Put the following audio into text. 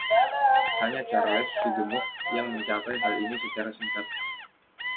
Hanya Charles si Gemuk yang mencapai hal ini secara singkat.